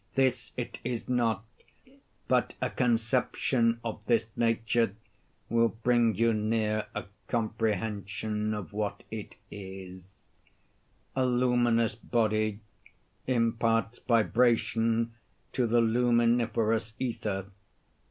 This it is not; but a conception of this nature will bring you near a comprehension of what it is. A luminous body imparts vibration to the luminiferous ether.